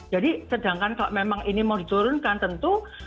jadi sedangkan kalau memang ini mau diturunkan tentu